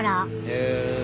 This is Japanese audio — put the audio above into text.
へえ。